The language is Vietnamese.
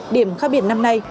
điểm khác biệt năm nay